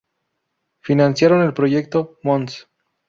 Financiaron el proyecto: Mons.